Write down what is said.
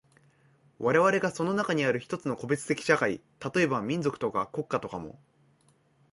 我々がその中にある一つの個別的社会、例えば民族とか国家とかも、